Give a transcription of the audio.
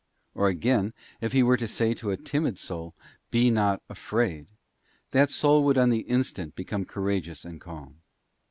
Or, again, if He were to say toa timid soul, Be not afraid; that soul would on the instant become courageous and calm.